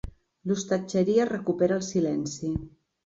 L'hostatgeria recupera el silenci.